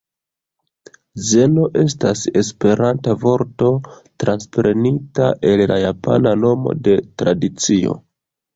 Zeno estas esperanta vorto transprenita el la japana nomo de la tradicio.